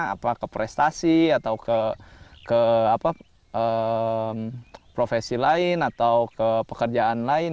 apa ke prestasi atau ke profesi lain atau ke pekerjaan lain